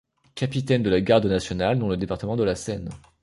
Capitaine de la garde nationale dans le département de la Seine.